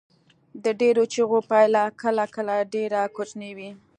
د ډیرو چیغو پایله کله کله ډیره کوچنۍ وي.